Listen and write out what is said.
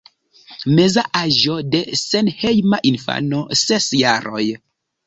Meza aĝo de senhejma infano: ses jaroj.